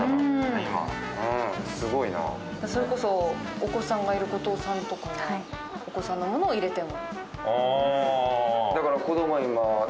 それこそお子さんがいる後藤さんとかはお子さんの物を入れても。